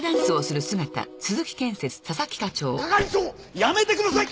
やめてください！